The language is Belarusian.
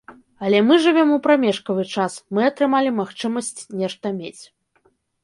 Але мы жывём у прамежкавы час, мы атрымалі магчымасць нешта мець.